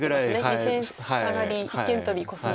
２線サガリ一間トビコスミ。